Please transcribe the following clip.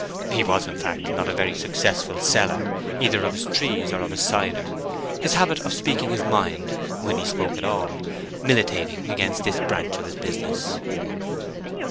He was, in fact, not a very successful seller either of his trees or of his cider, his habit of speaking his mind, when he spoke at all, militating against this branch of his business.